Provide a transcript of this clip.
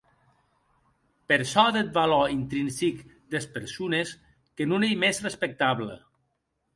Per çò deth valor intrinsic des persones, que non ei mès respectable.